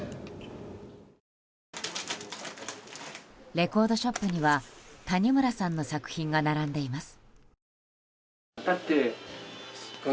レコードショップには谷村さんの作品が並んでいます。